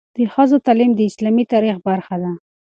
د ښځو تعلیم د اسلامي تاریخ برخه ده.